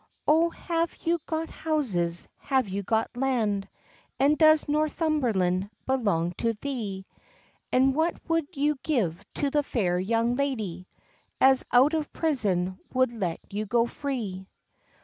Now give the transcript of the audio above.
"O have you got houses, have you got land, And does Northumberland belong to thee? And what would you give to the fair young lady As out of prison would let you go free?"